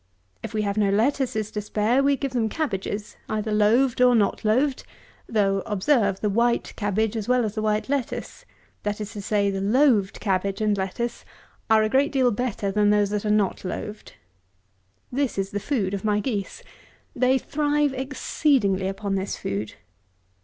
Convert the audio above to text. If we have no lettuces to spare, we give them cabbages, either loaved or not loaved; though, observe, the white cabbage as well as the white lettuce, that is to say, the loaved cabbage and lettuce, are a great deal better than those that are not loaved. This is the food of my geese. They thrive exceedingly upon this food.